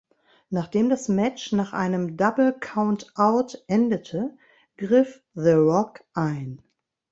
Nachdem das Match nach einem Double Count Out endete, griff The Rock ein.